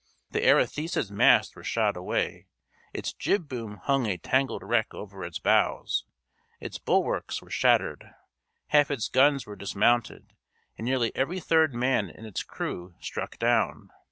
The Arethusa's masts were shot away, its jib boom hung a tangled wreck over its bows, its bulwarks were shattered, half its guns were dismounted, and nearly every third man in its crew struck down.